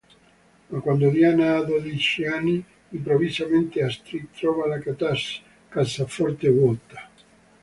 Ma quando Diana ha dodici anni, improvvisamente Astrid trova la cassaforte vuota.